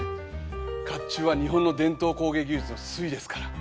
甲冑は日本の伝統工芸技術の粋ですから。